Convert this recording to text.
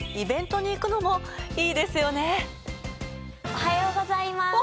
おはようございます。